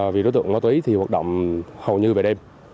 vì đối tượng có tùy thì hoạt động hầu như bảy đêm